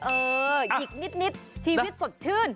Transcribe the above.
หยิกนิดชีวิตสดชื่น